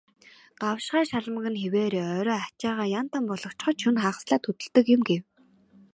"Гавшгай шалмаг нь хэвээрээ, орой ачаагаа ян тан болгочхоод шөнө хагаслаад хөдөлдөг юм" гэв.